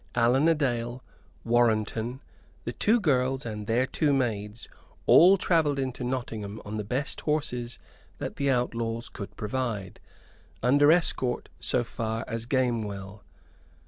Allan a Dale, Warrenton, the two girls and their two maids, all travelled into Nottingham on the best horses that the outlaws could provide, under escort so far as Gamewell.